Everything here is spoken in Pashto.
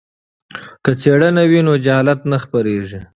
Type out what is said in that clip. که څیړنه وي نو جهالت نه خپریږي.